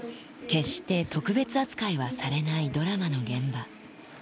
決して特別扱いはされないドラマの現場。